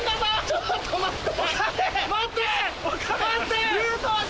ちょっと待って！